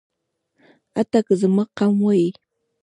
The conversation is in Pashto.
حتی که زما قوم وايي.